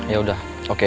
ya udah oke